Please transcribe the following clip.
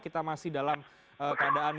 kita masih dalam keadaan